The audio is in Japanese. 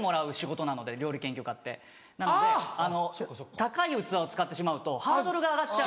高い器を使ってしまうとハードルが上がっちゃう。